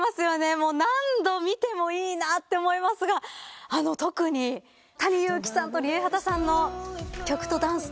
何度見てもいいなと思いますが特にＴａｎｉＹｕｕｋｉさんとＲＩＥＨＡＴＡさんの曲とダンスのコラボ。